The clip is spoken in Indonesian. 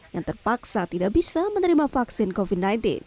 yang terpaksa tidak bisa menerima vaksin covid sembilan belas